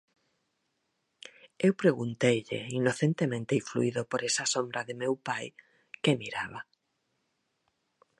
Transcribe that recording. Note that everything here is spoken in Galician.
Eu pregunteille, inocentemente influido por esa sombra de meu pai, que miraba.